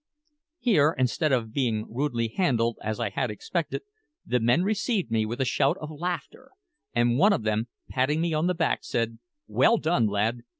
Here, instead of being rudely handled, as I had expected, the men received me with a shout of laughter; and one of them, patting me on the back, said, "Well done, lad!